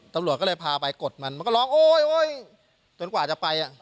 ตำรวจก็เลยพาไปกดมันมันก็ร้องโอ๊ยโอ๊ยจนกว่าจะไปอ่ะ